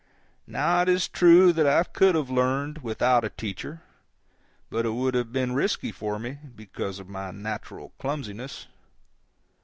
Now it is true that I could have learned without a teacher, but it would have been risky for me, because of my natural clumsiness.